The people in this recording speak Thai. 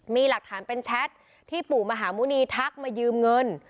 มีหลักฐานเป็นแชทที่ปู่มหาหมุณีทักมายืมเงิน